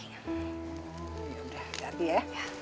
ya udah adi ya